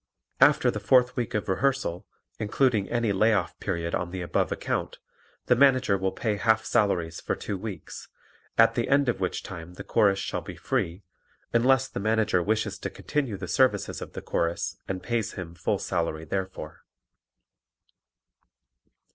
After the fourth week of rehearsal, including any lay off period on the above account, the Manager will pay half salaries for two weeks, at the end of which time the Chorus shall be free, unless the Manager wishes to continue the services of the Chorus and pays him full salary therefor.